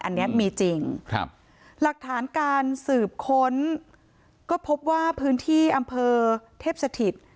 อันนี้มีจริงครับหลักฐานการสืบค้นก็พบว่าพื้นที่อำเภอเทพสถิต